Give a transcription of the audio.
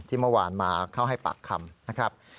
เมื่อวานมาเข้าให้ปากคำนะครับ